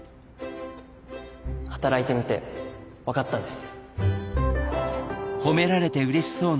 働いてみて分かったんです。